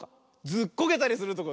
ずっこけたりするとこ。